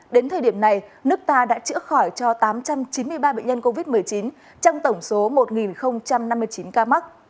đến thời điểm này nước ta đã chữa khỏi cho tám trăm chín mươi ba bệnh nhân covid một mươi chín trong tổng số một năm mươi chín ca mắc